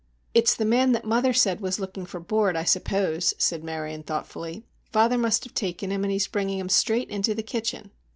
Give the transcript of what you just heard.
"It's the man that mother said was looking for board, I suppose," said Marion thoughtfully. "Father must have taken him and he's bringing him straight into the kitchen."